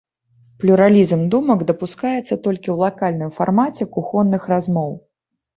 Плюралізм думак дапускаецца толькі ў лакальным фармаце кухонных размоў.